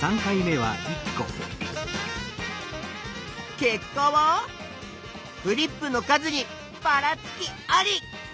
結果はクリップの数にばらつき「アリ」！